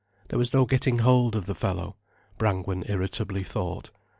There was no getting hold of the fellow, Brangwen irritably thought.